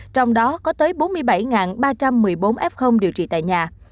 trong đó có tới bốn mươi bảy ba trăm một mươi bốn f điều trị tại nhà